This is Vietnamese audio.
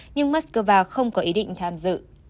nhưng moscow không có ý định tham dự